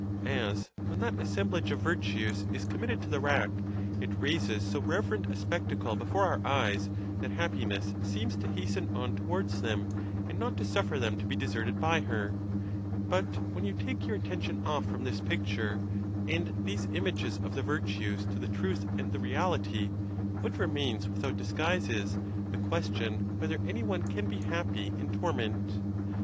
As when that assemblage of virtues is com mitted to the rack, it raises so reverend a spectacle before our eyes that happiness seems to hasten on towards them, and not to suffer them to be deserted by her.. But when you take your attention off from this picture and these images of the virtues to the truth and the reality, what remains without disguise is, the question whether any one can be happy in torment?